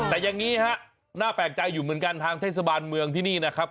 แต่อย่างนี้ฮะน่าแปลกใจอยู่เหมือนกันทางเทศบาลเมืองที่นี่นะครับ